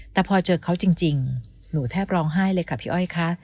แต่พอเจอเขาจริงหนูแทบร้องไห้เลยค่ะพี่อ้อยค่ะ